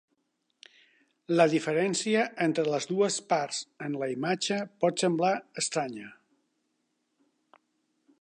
La diferència entre les dues parts en la imatge pot semblar estranya.